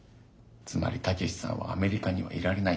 つまり武志さんはアメリカにはいられないんです。